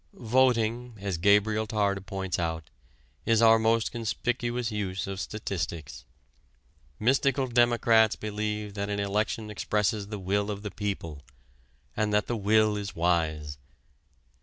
Voting, as Gabriel Tarde points out, is our most conspicuous use of statistics. Mystical democrats believe that an election expresses the will of the people, and that that will is wise.